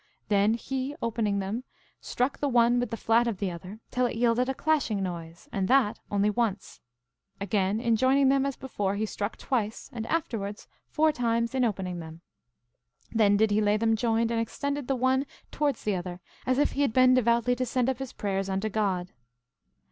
Then he, opening them, struck the one with the flat of the other till it yielded a clashing noise, and that only once. Again, in joining them as before, he struck twice, and afterwards four times in opening them. Then did he lay them joined, and extended the one towards the other, as if he had been devoutly to send up his prayers unto God.